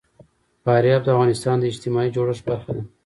فاریاب د افغانستان د اجتماعي جوړښت برخه ده.